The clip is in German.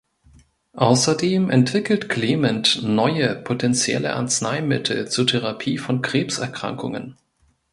Außerdem entwickelt Clement neue potenzielle Arzneimittel zur Therapie von Krebserkrankungen.